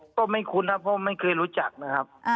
ก็ไม่คุ้นครับเพราะไม่เคยรู้จักนะครับ